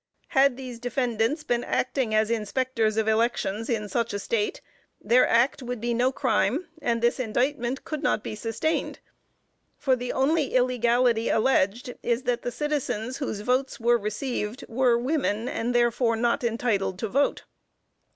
Had these defendants been acting as Inspectors of Elections in such State, their act would be no crime, and this indictment could not be sustained, for the only illegality alleged is, that the citizens whose votes were received were women, and therefore not entitled to vote.